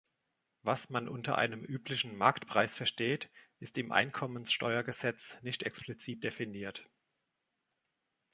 Was man unter einem üblichen Marktpreis versteht, ist im Einkommenssteuergesetz nicht explizit definiert.